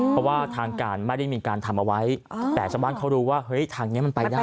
เพราะว่าทางการไม่ได้มีการทำเอาไว้แต่ชาวบ้านเขารู้ว่าเฮ้ยทางนี้มันไปได้